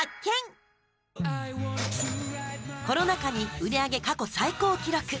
コロナ禍に売上過去最高記録。